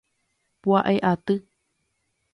Pu'ae aty.